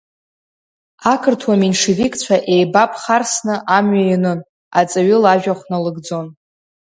Ақырҭуа меншевикцәа еибаԥхарсны амҩа ианын, аҵаҩы лажәахә налыгӡон.